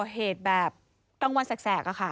เหตุแบบก็ต้องว่างแสก